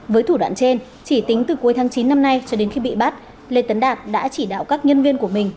với thủ đoạn trên chỉ tính từ cuối tháng chín năm nay cho đến khi bị bắt lê tấn đạt đã chỉ đạo các nhân viên của mình